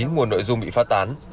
nguồn nội dung bị phát tán